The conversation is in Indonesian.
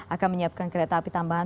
akan menyiapkan kereta api tambahan